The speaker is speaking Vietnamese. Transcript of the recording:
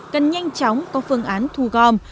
cần nhanh chóng có phương án thu gom